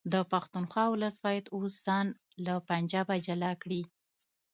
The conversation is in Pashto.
د پښتونخوا ولس باید اوس ځان له پنجابه جلا کړي